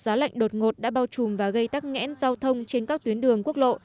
gió lạnh đột ngột đã bao trùm và gây tắc nghẽn giao thông trên các tuyến đường quốc lộ